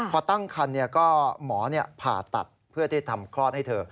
พอตั้งคันก็หมอผ่าตัดเพื่อที่ทำคลอดให้เธอ